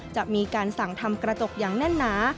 จะมีการสั่งทำกระจกอย่างแน่นหนา